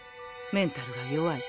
メンタルが弱い。